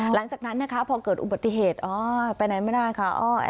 หลังจากนั้นนะคะพอเกิดอุบัติเหตุอ๋อไปไหนไม่ได้ค่ะ